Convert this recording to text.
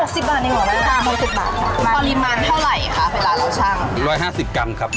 หกสิบบาทหกสิบบาทตอนริมันเท่าไรคะเวลาเราช่างร้อยห้าสิบกรัมครับ